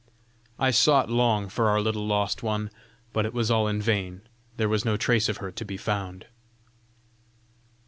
I sought long for our little lost one; but it was all in vain; there was no trace of her to be found."